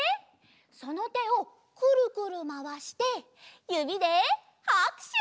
そのてをくるくるまわしてゆびではくしゅ！